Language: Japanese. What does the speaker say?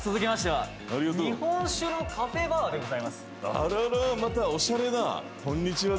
あららまたおしゃれなこんにちはどうも。